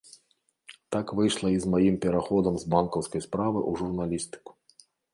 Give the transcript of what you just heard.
Так выйшла і з маім пераходам з банкаўскай справы ў журналістыку.